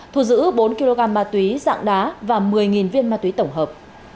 thu giữ bốn kg ma túy dạng đá và một mươi viên ma túy tổng hợp